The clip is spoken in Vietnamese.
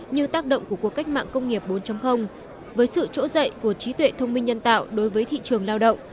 như tác động của cuộc cách mạng công nghiệp bốn với sự trỗi dậy của trí tuệ thông minh nhân tạo đối với thị trường lao động